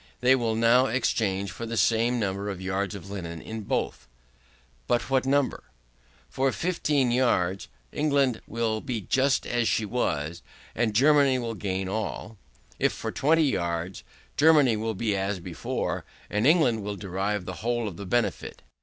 They will now exchange for the same number of yards of linen in both. For what number? If for 15 yards, England will be just as she was, and Germany will gain all. If for 20 yards, Germany will be as before, and England will derive the whole of the benefit.